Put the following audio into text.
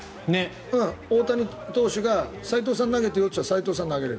大谷投手が斎藤さん投げてよと言ったら斎藤さんが投げれる。